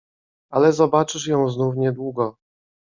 "Ale zobaczysz ją znów niedługo."